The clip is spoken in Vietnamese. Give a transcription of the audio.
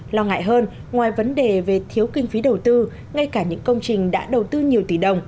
lo ngại hơn ngoài vấn đề về thiếu kinh phí đầu tư ngay cả những công trình đã đầu tư nhiều tỷ đồng